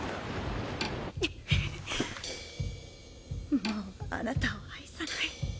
もうあなたを愛さない。